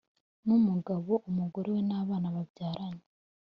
n’umugabo, umugore we n’abana babyaranye,